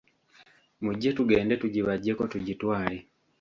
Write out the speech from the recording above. Mujje tugende tugibaggyeko tugitwale.